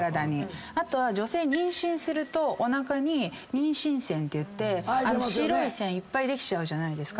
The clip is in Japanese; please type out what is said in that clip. あとは女性妊娠するとおなかに妊娠線っていって白い線いっぱいできちゃうじゃないですか。